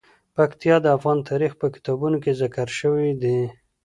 پکتیکا د افغان تاریخ په کتابونو کې ذکر شوی دي.